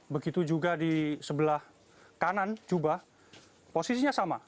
begitu juga di sebelah kanan jubah posisinya sama